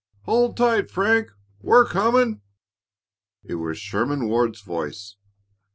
"Hold tight, Frank; we're coming!" It was Sherman Ward's voice.